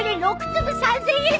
６粒３，０００円？